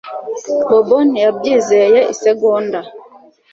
Bobo ntiyabyizeye isegonda